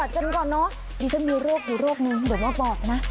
ดิฉันมีโรคดูโรคนึงเดี๋ยวมาบอกนะ